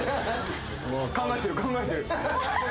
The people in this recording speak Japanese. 考えてる考えてる。